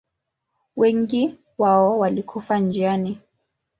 Wengi wao walikufa njiani.